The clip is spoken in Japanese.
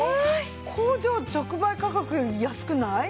工場直売価格より安くない？